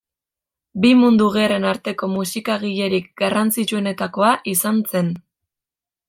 Bi Mundu Gerren arteko musikagilerik garrantzitsuenetakoa izan zen.